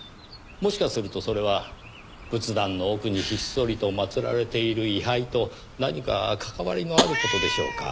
もしかするとそれは仏壇の奥にひっそりと祭られている位牌と何か関わりのある事でしょうか？